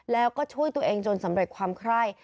แล้วก็ช่วยตัวเองจนสำเร็จความไคร่